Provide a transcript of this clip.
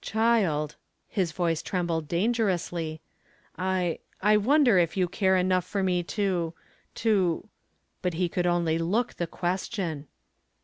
"Child," his voice trembled dangerously, "I I wonder if you care enough for me to to " but he could only look the question.